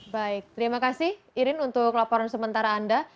baik terima kasih irin untuk laporan sementara anda